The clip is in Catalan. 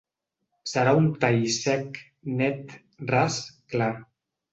Serà un tall sec, net, ras, clar.